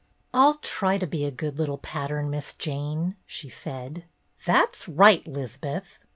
"I'll try to be a good little pattern. Miss Jane," she said. "That's right, 'Liz'beth."